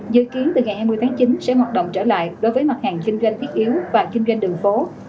dự kiến từ ngày hai mươi tháng chín sẽ hoạt động trở lại đối với mặt hàng kinh doanh thiết yếu và kinh doanh đường phố